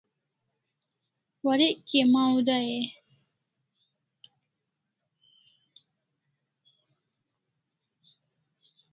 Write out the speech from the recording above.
Warek kia maw dai e?